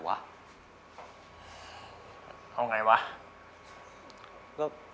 จัดเต็มให้เลย